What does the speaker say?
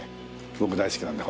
僕大好きなんだ。